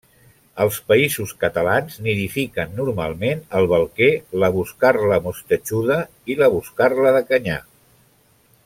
Als Països Catalans nidifiquen normalment el balquer, la boscarla mostatxuda i la boscarla de canyar.